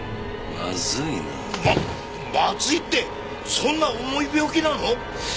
ままずいってそんな重い病気なの！？